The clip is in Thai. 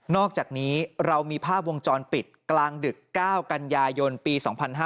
อกจากนี้เรามีภาพวงจรปิดกลางดึก๙กันยายนปี๒๕๕๙